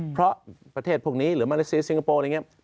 เพราะประเทศพวกนี้หรือมาเลเซียสิงคโปร์อะไรอย่างนี้